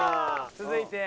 続いて。